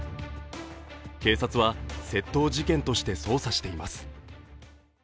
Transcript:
警察は窃盗事件として捜査しています。